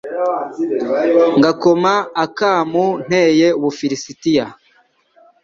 ngakoma akamu nteye Ubufilisiti»